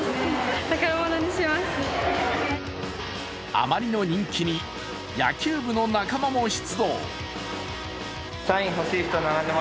あまりの人気に、野球部の仲間も出動。